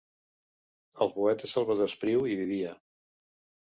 El poeta Salvador Espriu hi vivia.